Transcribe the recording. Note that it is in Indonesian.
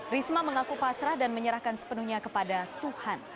risma mengaku pasrah dan menyerahkan sepenuhnya kepada tuhan